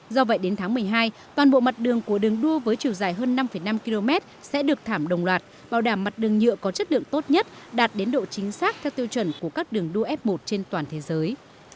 do vậy đến tháng một mươi hai toàn bộ mặt đường của đường đua với chiều dài hơn năm năm km sẽ được thảm đồng loạt bảo đảm mặt đường nhựa có chất lượng tốt nhất đạt đến độ chính xác theo tiêu chuẩn của các đường đua f một trên toàn thế giới